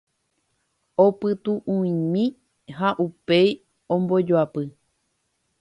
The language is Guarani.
Opytu'u'imi ha upéi ombojoapy.